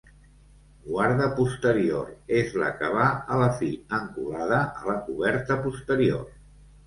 Guarda posterior, és la que va a la fi, encolada a la coberta posterior.